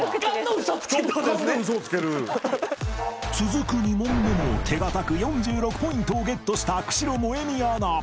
続く２問目も手堅く４６ポイントをゲットした久代萌美アナ。